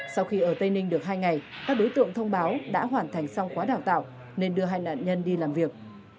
sau khi ở tây ninh được hai ngày các đối tượng thông báo đã hoàn thành xong khóa đào tạo nên đưa hai nạn nhân đi làm việc